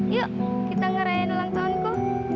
yuk kita ngerayain ulang tahunku